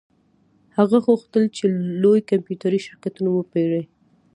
هغه غوښتل چې لوی کمپیوټري شرکتونه وپیري